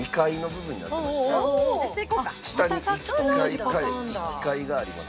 下に１階１階があります。